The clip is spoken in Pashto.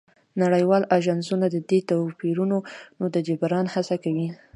نړیوال اژانسونه د دې توپیرونو د جبران هڅه کوي